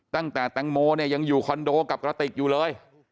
ตั้งแต่แตงโมเนี่ยยังอยู่คอนโดกับกระติกอยู่เลย